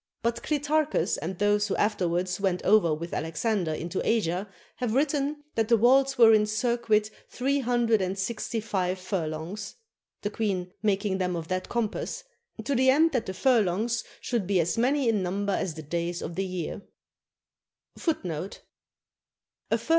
But Clitarchus and those who afterwards went over with Alexander into 489 MESOPOTAMIA Asia have written, that the walls were in circuit three hundred and sixty five furlongs ;^ the queen making them of that compass, to the end that the furlongs should be as many in number as the days of the year.